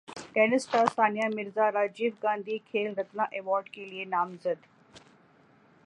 tennis star Sania Mirza Rajiv Gandhi Khel Ratna ایوارڈکیلئے نامزد